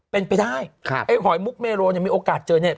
เป็นไปได้หอยมุกเมโลมีโอกาสเจอเนี่ย